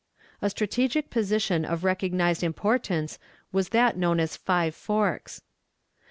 A strategic position of recognized importance was that known as Five Forks.